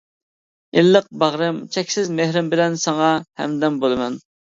ئىللىق باغرىم، چەكسىز مېھرىم بىلەن ساڭا ھەمدەم بولىمەن.